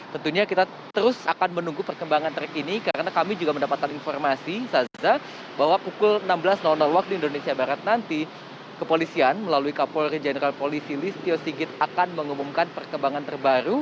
tentunya kita terus akan menunggu perkembangan terkini karena kami juga mendapatkan informasi saza bahwa pukul enam belas waktu indonesia barat nanti kepolisian melalui kapolri jenderal polisi listio sigit akan mengumumkan perkembangan terbaru